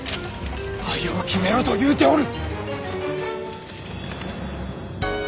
早う決めろと言うておる！